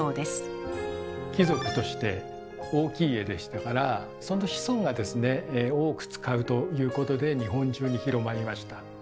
貴族として大きい家でしたからその子孫がですね多く使うということで日本中に広まりました。